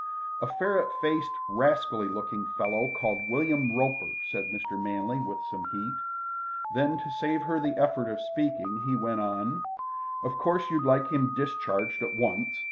"A ferret faced, rascally looking fellow, called William Roper," said Mr. Manley with some heat. Then, to save her the effort of speaking, he went on: "Of course you'd like him discharged at once.